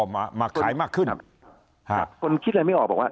มามาขายมากขึ้นครับคนคิดอะไรไม่ออกบอกว่า